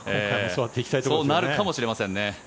そうなるかもしれませんね。